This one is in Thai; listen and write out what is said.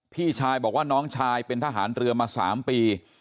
พี่ชายบอกว่าน้องชายเป็นทหารเรือมา๓ปี